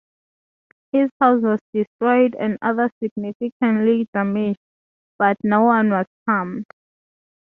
His house was destroyed, and others significantly damaged, but no-one was harmed.